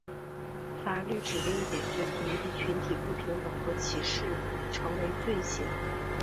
法律指令解决族裔群体不平等和使歧视成为罪行。